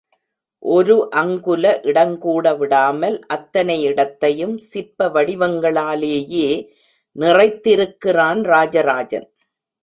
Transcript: ஒரு அங்குல இடங்கூட விடாமல் அத்தனை இடத்தையும் சிற்ப வடிவங்களாலேயே நிறைத்திருக்கிறான் ராஜராஜன்.